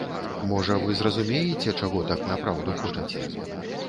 Можа, вы зразумееце, чаго так напраўду хочаце.